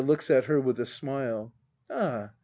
[Looks at her with a smile.] Ah !